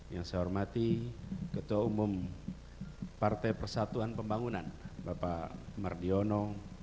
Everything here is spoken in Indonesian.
yang saya hormati ketua umum partai persatuan pembangunan bapak mardiono